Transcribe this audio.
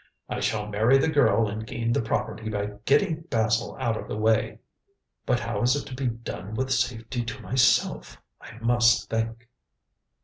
"I shall marry the girl and gain the property by getting Basil out of the way. But how is it to be done with safety to myself? I must think."